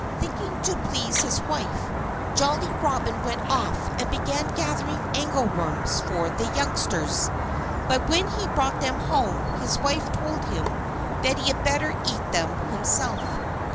Thinking to please his wife, Jolly Robin went off and began gathering angleworms for the youngsters. But when he brought them home his wife told him that he had better eat them himself.